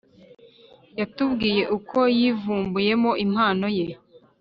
yatubwiye uko yivumbuyemo impano ye